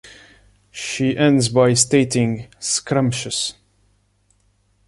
She ends by stating "scrumptious".